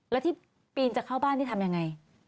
แล้วที่ปีนจะเข้าบ้านนี่ทำยังไง